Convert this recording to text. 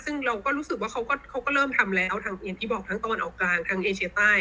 ซึ่งเราก็รู้สึกว่าเขาก็เริ่มทำแล้วทางอย่างที่บอกทั้งตะวันออกกลางทางเอเชียใต้